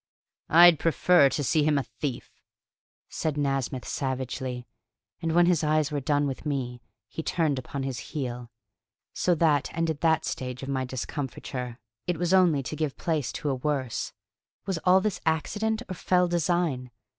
"I'd prefer to see him a thief!" said Nasmyth savagely; and when his eyes were done with me, he turned upon his heel. So that ended that stage of my discomfiture. It was only to give place to a worse. Was all this accident or fell design?